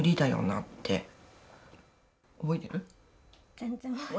全然。